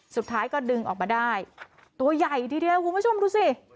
สุดท้ายก็ดึงออกมาได้ตัวใหญ่ทีเดียวคุณผู้ชมดูสิ